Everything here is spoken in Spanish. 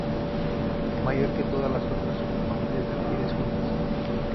Mayor que todas las otras subfamilias de orquídeas juntas.